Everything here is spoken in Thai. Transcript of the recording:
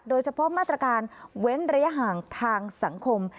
โดยเฉพาะมาตรการเว้นระยะห่างทางสังคม